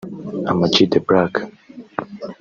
Ama-G the Black